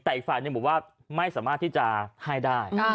แต่อีกฝ่ายหนึ่งบอกว่าไม่สามารถที่จะให้ได้